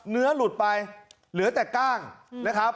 เนื้อหลุดไปเหลือแต่กล้างนะครับ